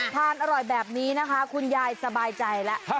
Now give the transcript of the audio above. อร่อยแบบนี้นะคะคุณยายสบายใจแล้ว